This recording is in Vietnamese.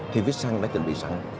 thì vít săn đã chuẩn bị sẵn